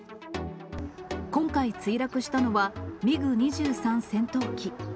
今回、墜落したのは、ミグ２３戦闘機。